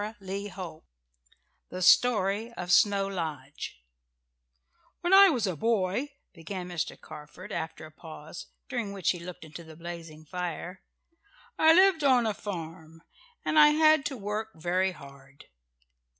CHAPTER VII THE STORY OF SNOW LODGE "When I was a boy," began Mr. Carford after a pause, during which he looked into the blazing fire, "I lived on a farm, and I had to work very hard."